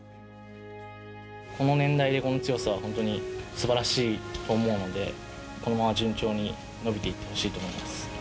この年代でこの強さは本当にすばらしいと思うので、このまま順調に伸びていってほしいと思います。